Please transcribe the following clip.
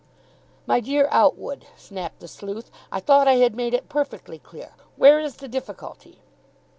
"My dear Outwood," snapped the sleuth, "I thought I had made it perfectly clear. Where is the difficulty?"